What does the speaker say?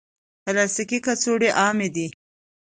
پلاستيکي کڅوړې عامې دي.